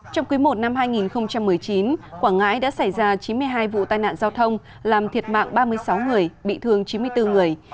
trong quý i năm hai nghìn một mươi chín quảng ngãi đã xảy ra chín mươi hai vụ tai nạn giao thông làm thiệt mạng ba mươi sáu người bị thương chín mươi bốn người